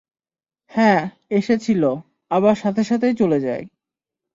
হ্যাঁ, এসেছিল, আবার সাথে সাথেই চলে যায়।